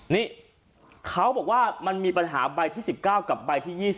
นี่เขาบอกว่ามันมีปัญหาใบที่๑๙กับใบที่๒๐